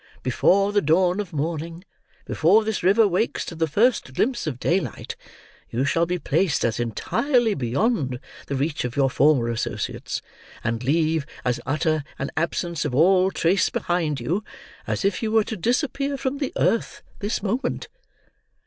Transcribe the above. Before the dawn of morning, before this river wakes to the first glimpse of day light, you shall be placed as entirely beyond the reach of your former associates, and leave as utter an absence of all trace behind you, as if you were to disappear from the earth this moment.